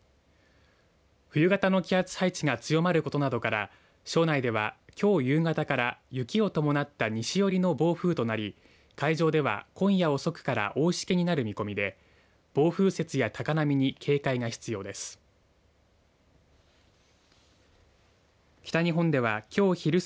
冬型の気圧配置が強まることなどから庄内では、きょう夕方から雪を伴った西寄りの暴風となり会場では今夜遅くから大しけになる見込みで暴風雪や高波に警戒が必要です。